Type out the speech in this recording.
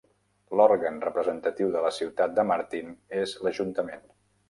L'òrgan representatiu de la ciutat de Martin és l'ajuntament.